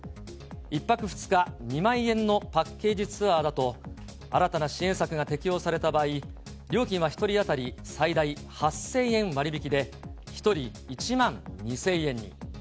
１泊２日２万円のパッケージツアーだと、新たな支援策が適用された場合、料金は１人当たり最大で８０００円割引で、１人１万２０００円に。